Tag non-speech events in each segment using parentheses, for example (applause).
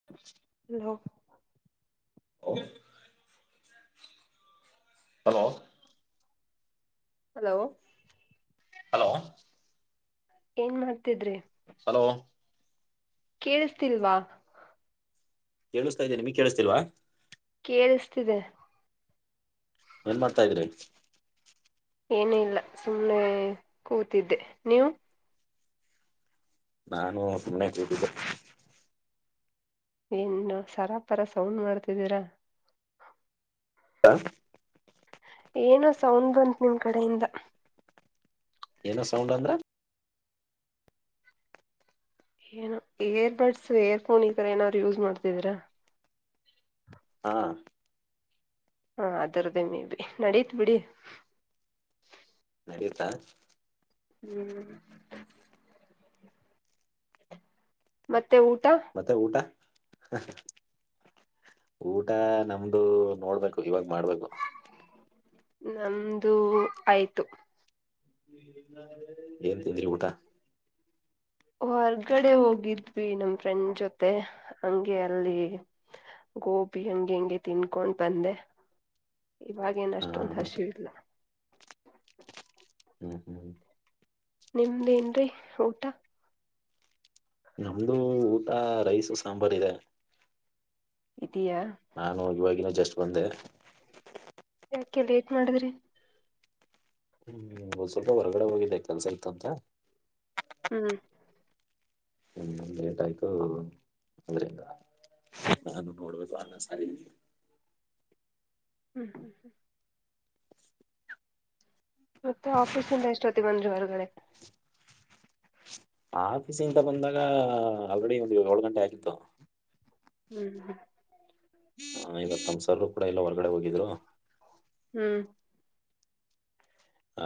ಹ (unintelligible) ಹಲೋ ಹಲ್ hello hello hello ಏನ್ ಮಾಡ್ತಿದ್ರಿ. ಹಲೋ ಕೇಳಿಸ್ತಿಲ್ವಾ. ಕೇಳಿಸ್ತಾ ಇದೆ ನಿಮಗ್ ಕೇಳಿಸ್ತಿಲ್ವಾ. ಕೇಳಿಸ್ತಿದೆ. ಏನ್ ಮಾಡ್ತಾ ಇದ್ರಿ. ಏನಇಲ್ಲ ಸುಮ್ನೇ ಕೂತಿದ್ದೆ ನೀವು. ನಾನು ಸುಮ್ನೆ ಕೂತಿದ್ದೆ. ಏನ್ನೊ ಸರಾ ಪರಾ ಸೌಂಡ್ ಮಾಡ್ತಿದ್ದೀರಾ. ಹಾ ಏನೋ ಸೌಂಡ್ ಬಂತ್ ನಿಮ್ ಕಡೆಯಿಂದ. ಏನೊ ಸೌಂಡ್ ಅಂದ್ರೆ. ಏನೊ ಏರ್ ಬಡ್ಸ್ ಏರ್ಫೋನ್ ಈ ತರ ಏನಾದ್ರು ಯೂಸ್ ಮಾಡ್ತಿದಿರಾ. ಹ್ಮಾ ಹ್ಮ್ ಅದರದ್ದೇ ಮೇ ಬಿ ನಡೀತ್ ಬಿಡಿ. ನಡಿಯುತ್ತಾ. ಹ್ಮ್ ಮತ್ತೆ ಊಟ. ಮತ್ತೆ ಊಟ ಹ್. ಊಟ ನಮ್ದು ನೋಡ್ಬೇಕು ಇವಾಗ್ ಮಾಡ್ಬೇಕು. ನಮ್ದು ಆಯ್ತು. ಏನ್ತಿಂದ್ರಿ ಊಟ. ಹೊರ್ಗಡೆ ಹೋಗಿದ್ವಿ ನಮ್ ಫ್ರೆಂಡ್ ಜೊತೆ ಹಂಗೆ ಅಲ್ಲಿ ಗೋಬಿ ಹಂಗೆ ಹಂಗೆ ತಿನ್ಕೊಂಡ್ ಬಂದೆ. ಇವಾಗೇನ ಹಾ ಹಾ ಅಷ್ಟೊಂದು ಹಾ ಹಶಿವಿಲ್ಲ. ಹ್ಮ್ ಹ್ಮ್. ನಿಮ್ದೇನ್ರಿ ಊಟ. ನಮ್ದು ಊಟ ರೈಸ್ ಸಾಂಬಾರ್ ಇದೆ. ಇದಿಯಾ. ನಾನು ಇವಾಗಿನು ಜಸ್ಟ್ ಬಂದೆ. ಯಾಕೆ ಲೇಟ್ ಮಾಡದ್ರಿ. ಹ್ಮ್ ಒದ್ ಸ್ವಲ್ಪ ಹೊರಗಡೆ ಹೋಗಿದ್ದೆ ಕೆಲ್ಸ ಇತ್ತುಂತ. ಹ್ಮ್ ಹ್ಮ ಲೇಟ್ ಆಯ್ತು ಅದ್ರಿಂದ. ನಾನು ನೋಡಬೇಕು ಅನ್ನ ಸಾರ್ ಹ್ಞ ಹ್ಞೂ ಹ್ಞ ಮತ್ತೆ ಆಫೀಸ್ ಇಂದ ಎಷ್ಟೊತ್ತಗ್ ಬಂದ್ರಿ ಹೊರ್ಗಡೆ. ಆಫೀಸಿಂದ ಬಂದಾಗಾ ಆಲ್ರೆಡಿ ಒಂದು ಏಳು ಗಂಟೆ ಆಗಿತ್ತು. ಹ್ಮ್ ಹ್ಮ್ ಹ ಇವತ್ ಸರ್ರು ಕೂಡ ಇಲ್ಲ ಹೊರಗಡೆ ಹೋಗಿದ್ರು. ಹ್ಮ್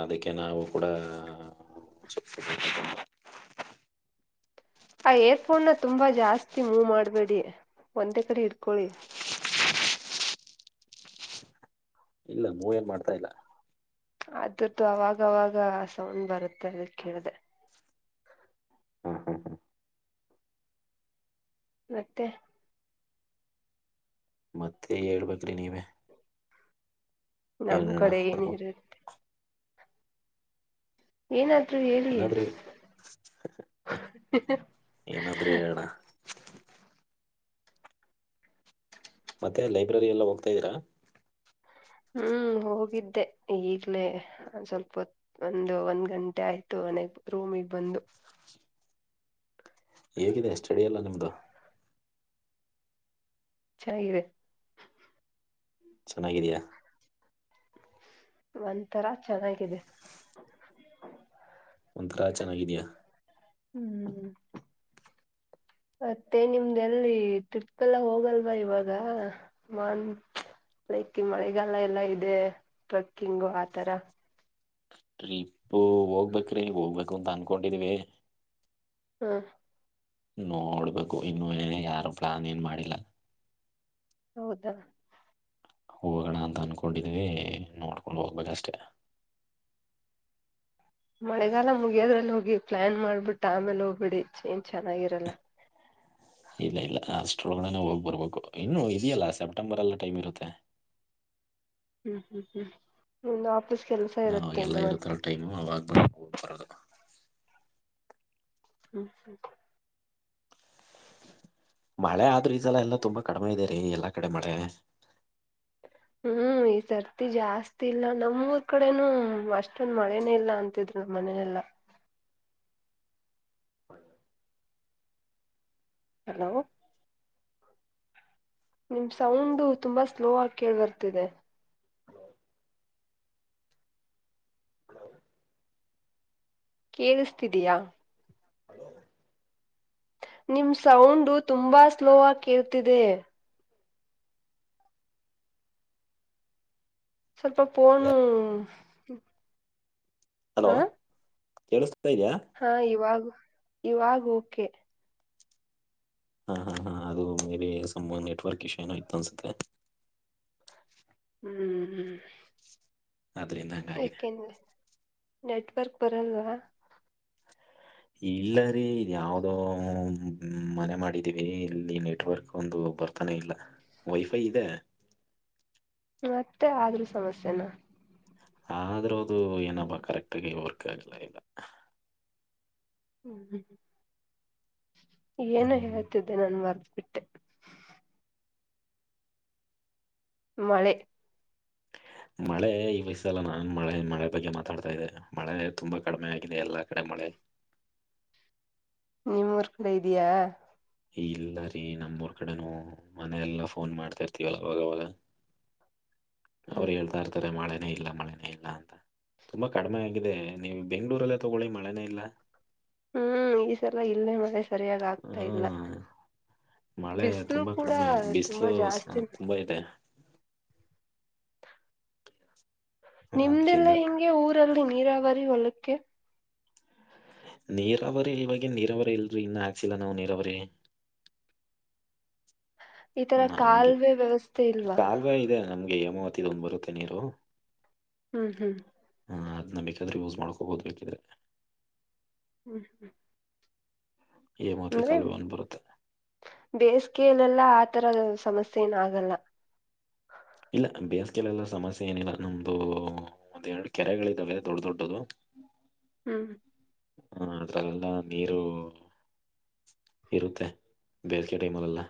ಅದಕ್ಕೆ ನಾವು ಕೂಡ ಆ ಏರ್ಫೋನ್ ನ ತುಂಬಾ ಜಾಸ್ತಿ ಮೂವ್ ಮಾಡಬೇಡಿ ಒಂದೇ ಕಡೆ ಇಡ್ಕೊಳಿ. ಇಲ್ಲ ಮೂವ್ ಏನ್ ಮಾಡ್ತಾ ಇಲ್ಲ. ಅದುರ್ದು ಅವಾಗವಾಗ ಸೌಂಡ್ ಬರುತ್ತೆ ಅದಕ್ ಹೇಳದೆ. ಹ್ಮ ಹ್ಮ ಹ್ಮ್ ಮತ್ತೆ ಮತ್ತೆ ಹೇಳ್ಬೇಕ್ರಿ ನೀವೇ. ಏನ್ ನಮ್ಮ್ ಹೇಳಣ ಕಡೆ ನಾವು ಏನಿರೆ. ಏನಾದ್ರೂ ಹೇಳೀ ಏನಾದ್ರಿ ಹ ಹ ಏನಾದ್ರೂ ಹೇಳಣ ಮತ್ತೆ ಲೈಬ್ರರಿ ಎಲ್ಲ ಹೋಗ್ತಾ ಇದೀರಾ. ಹ್ಮ್ ಹೋಗಿದ್ದೆ ಈಗ್ಲೇ ಒನ್ ಸ್ವಲ್ಪೋತ್ ಒಂದು ಒಂದ್ ಗಂಟೆ ಆಯ್ತು ಒನೆಗ್ ರೂಮಿಗ್ ಬಂದು. ಹೇಗಿದೆ ಸ್ಟಡಿ ಎಲ್ಲ ನಿಮ್ದು. ಚನಗಿದೆ ಚೆನಾಗಿದಿಯಾ. ಒಂತರಾ ಚೆನಾಗಿದೆ. ಒಂಥರಾ ಚೆನಾಗಿದ್ಯಾ. ಹ್ಮ್ ಮತ್ತೆ ನಿಮ್ದ್ ಎಲ್ಲಿ ಟ್ರಿಪ್ ಎಲ್ಲ ಹೋಗಲ್ವಾ ಇವಾಗಾ. ಮನ್ ಲೈಕ್ ಮಳೆಗಾಲ ಎಲ್ಲಾ ಇದೆ ಟ್ರಕ್ಕಿಂಗು ಆತರ. ಟ್ರಿಪ್ ಹೋಗ್ಬೇಕ್ರೀ ಹೋಗ್ಬೇಕು ಅಂತ ಅನ್ಕೊಂಡಿದಿವೀ. ಹಾಂ ನೋಡ್ಬೇಕು ಇನ್ನು ಏನ ಯಾರು ಪ್ಲಾನ್ ಏನ್ ಮಾಡಿಲ್ಲ. ಹೌದಾ. ಹೋಗೋಣ ಅಂತ ಅನ್ಕೊಂಡಿದ್ವಿ ನೋಡ್ಕೊಂಡ್ ಹೋಗ್ಬೇಕಷ್ಟೇ. ಮಳೆಗಾಲ ಮುಗಿಯೋದ್ರಲ್ಲಿ ಹೋಗಿ ಪ್ಲಾನ್ ಮಾಡ್ಬಿಟ್ಟು ಆಮೇಲೆ ಹೋಗ್ಬಿಡಿ ಏನ್ ಚೆನ್ನಾಗಿರಲ್ಲ. ಇಲ್ಲ ಇಲ್ಲ ಅಷ್ಟೊರ ಒಳಗಡೆನೆ ಹೋಗ ಬರಬೇಕು ಇನ್ನು ಇದೆಯಲ್ಲ ಸೆಪ್ಟೆಂಬರ್ ಅಲ್ಲೂ ಟೈಮ್ ಇರುತ್ತೆ. ಹ್ಮ್ ಹ್ಮ್ ಹ್ಮ್ ನಿನ್ನ ಆಫೀಸ್ ಕೆಲ್ಸ ಇರತ್ತೆನು ಮತ್ತೆ. ಟೈಮ್ ಅವಾಗ್ದ (inaudible) ಹೋಗಾಕ ಆಗಲ್ಲ (unintelligible) ಮಳೆ ಆದ್ರೂ ಈಸಲ್ಲ ಎಲ್ಲಾ ತುಂಬಾ ಕಡಿಮೆ ಇದೆ ರೀ ಎಲ್ಲಾ ಕಡೆ ಮಳೆ ಹ್ಮ್ ಈ ಸರ್ತಿ ಜಾಸ್ತಿ ಇಲ್ಲ ನಮ್ಮೂರ್ ಕಡೆನೂ ಅಷ್ಟೊಂದ ಮಳೆನೇ ಇಲ್ಲ ಅಂತಿದರು ಮನೆಯ ಎಲ್ಲ (inaudible) ಹಲೋ ನಿಮ್ ಸೌಂಡು ತುಂಬಾ ಸ್ಲೋ ಆಗಿ ಕೇೇಳಬರ್ತಿದೆ. ಕೇಳಿಸ್ತಿದಯಾ ನಿಮ್ಮ ಸೌಂಡು ತುಂಬಾ ಸ್ಲೋ ಆಕಿ ಕೇಳತಿದೆ. ಸ್ವಲ್ಪ ಪೋನು..... ಹಲೋ (inaudible) ಕೇಳಸ್ತಾ ಇದೆಯಾ. ಹಾ ಇವಾಗ ಇವಾಗ ಓಕೆ. ಹಾ ಹಾ ಹಾ ಅದು ಮೇಬಿ ಸಂಒನ್ ನೆಟ್ವರ್ಕ್ ಇಶೂ ಏನೋ ಇತ್ತು ಅನ್ಸುತ್ತೆ. ಹ್ಮ್ ಹ್ಮ್ ಅದ್ರಿನ್ ಏಕೆಂದ್ರೆ (inaudible) ನೆಟ್ವರ್ಕ್ ಬರಲ್ವಾ? ಇಲ್ಲ ರೀ ಇದ್ ಯಾವದೋ ಮನೆ ಮಾಡಿದೀವಿ ಇಲ್ಲಿ ನೆಟ್ವರ್ಕ್ ಒಂದು ಬರ್ತಿಲ್ಲ ಬರ್ತಾನೆ ಇಲ್ಲ (inaudible) ವೈಫೈ ಇದೆ. ಮತ್ತೆ ಆದ್ರೂ ಸಮಸ್ಯೆನಾ? ಆದ್ರೂ ಅದು ಏನಬ ಕರೆಕ್ಟ್ ಆಗಿ ವರ್ಕ್ ಆಗ್ಲ ಇಲ್ಲ ಹ್ಮ್ ಹ್ಮ್ ಹ್ಮ ಏನು ಹ್ಮ್ ಹೇಳ್ತಿದ್ದೆ ನಾನ ಮರ್ತ ಬಿಟ್ಟೆ. ಮಳೆ (inaudible) ಮಳೆ ಈ ವಯಸ್ಸಲ್ಲ ನಾನ್ ಮಳೆ ಮಳೆ ಬಗ್ಗೆ ಮಾತಾಡ್ತಾ ಇದೆ ಮಳೆ ತುಂಬಾ ಕಡಿಮೆ ಆಗಿದೆ ಎಲ್ಲಾ ಕಡೆ ಮಳೆ ನಿಮ್ಮೂಊರ್ ಕಡೆ ಇದಿಯಾ? ಇಲ್ಲ ರೀ ನಮ್ಮಊರ್ ಕಡೆನು ಮನೆಯೆಲ್ಲಾ ಫೋನ್ ಮಾಡ್ತಾ ಇರ್ತಿವಲ್ಲ ಅವಾಗವಾಗ (inaudible) ಅವ್ರು ಹೇಳ್ತಾ ಇರ್ತಾರೆ ಮಳೆನೇ ಇಲ್ಲ ಮಳೆನೇ ಇಲ್ಲ ಅಂತಾ ತುಂಬಾ ಕಡಿಮೆ ಆಗಿದೆ ನೀವು ಬೆಂಗ್ಗಳೂರಲ್ಲೇ ತಗೊಳ್ಳಿ ಮಳೆನೇ ಇಲ್ಲ ಹ್ಮ್ ಈ ಸಲ ಇಲ್ಲೇ ಮಳೆ ಸರಿಯಾಗಿ ಆಗ್ತಾ ಇಲ್ಲ. ಹ್ಮ್ ಮಳೆ ಬಿಸಲು ತುಂಬಾ ಕೂಡ ಕಡಿಮೆ ತುಂಬಾ ಬಿಸಿಲು ಜಾಸ್ತಿನೆ. ತುಂಬಾ ಇದೆ ನಿಮ್ದೆಲ್ಲ ಆದ್ರಿಂದ ಹೆಂಗೆ ಊರಲ್ಲಿ ನೀರಾವರಿ ಹೊಲಕ್ಕೆ. ನೀರಾವರಿ ಇವಾಗ ನೀರಾವರಿ ಇಲ್ರಿ ಇನ್ನು ಹಾಕ್ಸಿಲ್ಲ ನಾವು ನೀರಾವರಿ. ಈ ತರ ನಾವ ಹಂಗೆ (inaudible) ನಮ್ಗೆ ಕಾಲುವೆ ವ್ಯವಸ್ಥೆ ಇಲ್ವಾ ಕಾಲ್ವೆ ಇದೆ ನಮ್ಗೆ ಹೇಮಾವತಿದೊಂದ ಬರುತ್ತೆ ನೀರು ಹ್ಮ್ ಹ್ಮ್ ಹ ಅದ್ನ ಬೇಕಾದ್ರೆ ಯೂಸ್ ಮಾಡ್ಕೋಬಹುದು ಬೇಕಿದ್ರೆ. ಹ್ಮ್ ಹ್ಮ್ ಹೇಮಾವತಿ ಕಾಲುವೆ ಒಂದ ಬರುತ್ತೆ. ಬೇಸಿಗೆಯಲೆಲ್ಲಾ ಆತರದ ಸಮಸ್ಯೆ ಏನ ಆಗಲ್ಲ. ಇಲ್ಲ ಬೇಸಿಗೆಲೆಲ್ಲ ಸಮಸ್ಯೆ ಏನಿಲ್ಲ ನಮ್ದು ಒಂದ ಎರಡು ಕೆರೆಗಳಿದ್ದಾವೆ ದೊಡ್ಡ ದೊಡ್ಡದು. (inaudible) ಹ್ಮ್ ಹಾ ಅದ್ರಗೆಲ್ಲ ನೀರು ಇರುತ್ತೆ ಬೇಸಿಗೆ ಟೈಮಲ್ಲೆಲ್ಲ.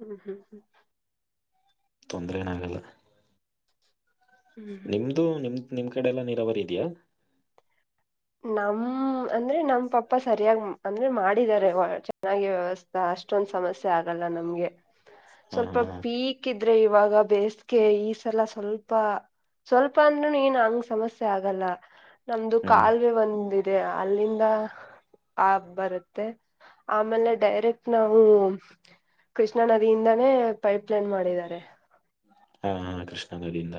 ಹ್ಮ್ ಹ್ಮ್ ಹ್ಮ್ ತೊಂದ್ರೆ ಎನ್ ಆಗಲ್ಲ. ಹ್ಮ್ ಹ್ಮ್ ನಿಮ್ದು ನಿಮ್ ನಿಮ್ ಕಡೆ ಎಲ್ಲಾ ನೀರಾವರಿ ಇದ್ಯಾ. ನಮ್ ಅಂದ್ರೆ ನಮ್ ಪಪ್ಪ ಸರಿಯಾಗಿಮ್ ಅಂದ್ರೆ ಮಾಡಿದಿದ್ದಾರೆ ಚೆನ್ನಾಗಿ ವ್ಯವಸ್ಥೆ ಹ ಅಷ್ಟೊಂದ್ ಸಮಸ್ಯೆ ಆಗಲ್ಲ ನಮ್ಗೆ ಹಾ ಸ್ವಲ್ಪ ಹಾ ಹಾ ಪೀಕ್ ಸಿಕ್ಕಿದ್ರೆ ಇವಾಗ ಬೇಸಗೆ ಈ ಸಲ ಸ್ವಲ್ಪ ಸ್ವಲ್ಪ ಅಂದ್ರುನು ಏನ್ ಹಂಗ್ ಸಮಸ್ಯೆ ಆಗಲ್ಲ ನಮ್ದು ಹ್ಮ್ ಕಾಲು ಬಂದಿದೆ ಅಲ್ಲಿಂದ ಆ ಬರುತ್ತೆ ಆಮೇಲೆ ಡೈರೆಕ್ಟ್ ನಾವು ಕೃಷ್ಣಾ ನದಿಯಿಂದಾನೇ ಪೈಪ್ ಲೈನ್ ಮಾಡಿದ್ದಾರೆ ಹಾ ಹಾ ಕೃಷ್ಣ ನದಿಯಿಂದ.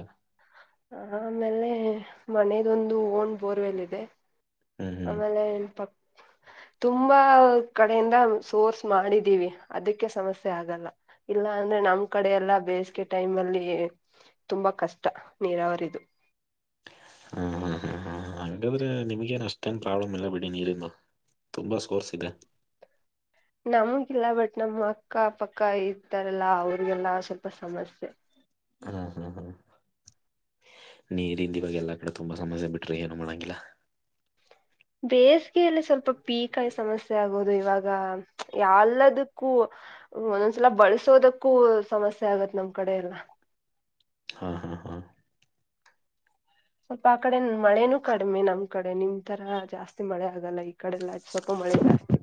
ಆಮೇಲೆ ಮನೆದೊಂದು ಓನ್ ಬೋರ್ವೆಲ್ ಇದೆ. ಹ್ಮ್ ಹ್ಮ್ ಆಮೇಲೆ ಪಪ್ ತುಂಬಾ ಕಡೆಯಿಂದ ಸೋರ್ಸ್ ಮಾಡಿದೀವಿ ಅದಕ್ಕೆ ಸಮಸ್ಯೆ ಆಗಲ್ಲ ಇಲ್ಲ ಅಂದ್ರೆ ನಮ್ ನಮ್ಕಡೆ ಎಲ್ಲ ಬೇಸಿಗೆ ಟೈಮ್ ಅಲ್ಲಿ ತುಂಬಾ ಕಷ್ಟ ನೀರಾವರಿದು. ಹಾ ಹ ಹಾ ಹಾ ಹಾಗಂಗಾದ್ರೆ ನಿಮ್ಗೇನ್ ಅಷ್ಟೇನ್ ಪ್ರಾಬ್ಲಮ್ ಇಲ್ಲ ಬಿಡಿ ನೀರಿಂದು. ತುಂಬಾ ಸ್ಕೋರ್ಸ್ ಇದೆ. ನಮಗಿಲ್ಲ ಬಟ್ ನಮ್ಮ ಅಕ್ಕ ಪಕ್ಕ ಇರ್ತಾರಲ್ಲಾ ಅವ್ರಿಗೆಲ್ಲ ಸ್ವಲ್ಪ ಸಮಸ್ಯೆ. ಹಾ ಹಾ ಹಾ ನೀರಿಂದ ಇವಾಗ ಎಲ್ಲಾ ಕಡೆ ತುಂಬಾ ಸಮಸ್ಯೆ ಬಿಟ್ರಿ ಏನು ಮಾಡಂಗಿಲ್ಲಾ. ಬೇಸಿಗೆಯಲ್ಲೆ ಸ್ವಲ್ಪ ಪೀಕಾಯಿ ಸಮಸ್ಯೆ ಆಗೋದು ಇವಾಗ ಎಲ್ಲದಕ್ಕೂ ಒಂದೊಂದ್ಸಲ ಬಳ್ಸೋದಕ್ಕೂ ಸಮಸ್ಯೆ ಆಗತ್ ನಮ್ ಕಡೆ ಎಲ್ಲಾ. ಹಾ ಹಾ ಹಾ ಸ್ವಲ್ಪ ಆ ಕಡೆ ಮಳೇನೂ ಕಡಿಮೆ ನಮ್ ಕಡೆ ನಿಮ್ ತರಾ ಜಾಸ್ತಿ ಮಳೆ ಆಗಲ್ಲ ಈಗ ಕಡೆಲ್ಲ ಸ್ವಲ್ಪ ಮಳೆ ಜಾಸ್ತಿ.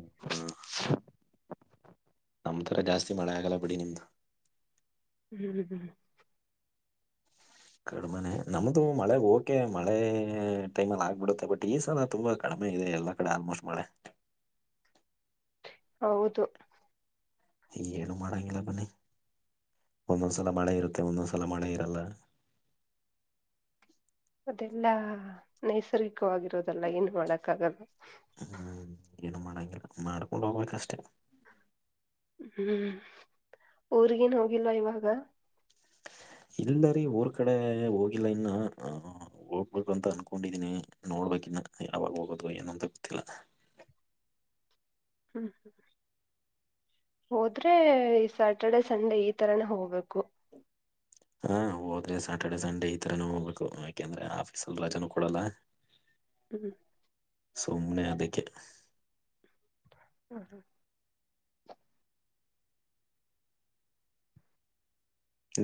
ನಮ್ಮ್ ತರ ಜಾಸ್ತಿ ಮಳೆ ಆಗಲ್ಲ ಬಿಡಿ ನಿಮ್ದು. ಹ್ ಹ ಹ್ ಕಡಿಮೆನೆ ನಮ್ದು ಮಳೆ ಹಓಕೆ ಮಳೇ ಟೈಮಲ್ಲಿ ಆಗ್ಬಿಡುತ್ತೆ ಬಟ್ ಈಸಲ ತುಂಬಾ ಕಡಿಮೆ ಇದೆ ಎಲ್ಲಾ ಕಡೆ ಆಲ್ಮೋಸ್ಟ್ ಮಳೆ. ಹೌದು ಏನು ಮಾಡಂಗಿಲ್ಲ ಬನ್ನಿ ಒಂದೊಂದ್ ಸಲ ಮಳೆ ಇರುತ್ತೆ ಒಂದೊಂದ್ಸಲ ಮಳೆ ಇರಲ್ಲ. ಅದೆಲ್ಲಾ ನೈಸರ್ಗಿಕವಾಗಿರೋದಲ್ಲ ಏನ್ ಮಾಡಕ್ಕ ಆಗಲ್ಲ. ಹ್ಮ್ ಏನು ಮಾಡಂಗಿಲ್ಲ ಮಾಡ್ಕೊಂಡು ಹೋಗ್ಬೇಕ ಅಷ್ಟೇ. ಹ್ಮ್ ಊರ್ಗೇನ್ ಹೋಗಿಲ್ವ ಇವಾಗ. ಇಲ್ಲ ರೀ ಊರ್ ಕಡೆ ಹೋಗಿಲ್ಲ ಇನ್ನು ಹೋಗ್ಬಕು ಅಂತ ಅನ್ಕೊಂಡಿದೀನಿ ನೋಡ್ಬೇಕಿನ್ನ ಯಾವಾಗ ಹೋಗೋದು ಏನಂತ ಗೊತ್ತಿಲ್ಲ. ಹ್ಞೂ ಹ್ಞ ಹೋದ್ರೆ ಈ ಸ್ಯಾಟರ್ಡೆ ಸಂಡೇ ಈ ತರಾನ ಹೋಗ್ಬೇಕು. ಹಾ ಹೋದ್ರೆ ಸಾಟರ್ಡೆ ಸಂಡೆ ಈ ತರನು ಹೋಗ್ಬೇಕು ಯಾಕೆಂದ್ರೆ ಆಫೀಸಲ್ ರಜಾನೂ ಕೊಡಲ್ಲ. (inaudible) ಹ್ಮ್ ಸುಮ್ನೇ ಅದಿಕ್ಕೆ. ಹ್ಮ ಹಾ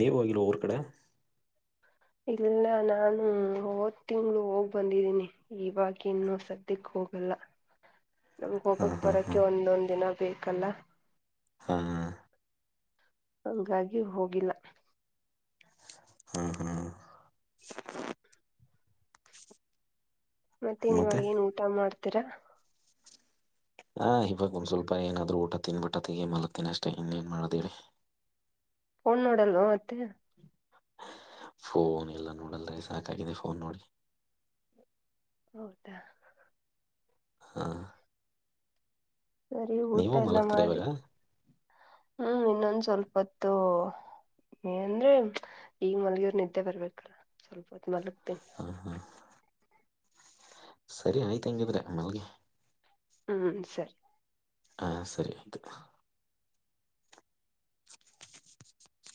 ನೀವುಹೋಗಿಲ್ವಊರ್ ಕಡೆ ಇಲ್ಲ ನಾನು ಹೊದ ತಿಂಗಳು ಹೋಗ್ ಬಂದಿದ್ದೀನಿ. ಇವಾಗ ಇನ್ನೂ ಸದ್ಯಕ್ಕೆ ಹೋಗಲ್ಲಾ ನಮ್ಗ್ ಹಾ ಹೋಗಕ್ ಹಾ ಹಾ ಬರಕ್ಕೆ ಒಂದೊಂದ್ ದಿನ ಬೇಕಲ್ಲಾ ಹಾ (inaudible) ಹಂಗಾಗಿ ಹೋಗಿಲ್ಲ. ಹ್ಮ ಹ್ಮ (inaudible) ಮತ್ತೆ ಇವಾಗ ಏನ್ ಊಟ ಮಾಡ್ತೀರಾ ಹಾ, ಇವಾಗ ಒಂದ್ ಸ್ವಲ್ಪ ಏನಾದ್ರು ಊಟ ತಿನ್ಬಿಟ್ಟ ತೆಗಿ ಮಲಗತಿನಿಅಷ್ಟೇ ಇನ್ನೇಏನ್ ಮಾಡದೇಳಿ. ಪೋನ್ ನೋಡಲ್ವ ಮತ್ತೆ ಫೋನ್ ಎಲ್ಲಾ ನೋಡಲ್ರಿ ಸಾಕಾಗಿದೆ ಫೋನ್ ನೋಡಿ. ಹೌದಾ!, ಹಾ, ಸರಿ ಊಟ ನೀವು ಎಲ್ಲಾ ಮಲಗ್ತೀರಾ ಮಾಡಿ ಇವಾಗ ಹ್ಮ್, ಇನ್ನೊಂದ ಸ್ವಲ್ಪತ್ತು- ಅಂದ್ರೆ ಈಗ ಮಲ್ಗಿದರ್ ನಿದ್ದೆ ಬರ್ಬೇಕಲ್ಲ ಸ್ವಲ್ಪ ಹೊತ್ತುಮಲಗ್ ತಿನಿ. ಹ್ಮ ಹ್ಮ (inaudible) ಸರಿ ಆಯ್ತ ಹಂಗಾದ್ರೆ ಮಲ್ಗಿ ಹ್ಮ್, ಸರಿ ಹಾ, ಸರಿಆಯ್ತು. (unintelligible)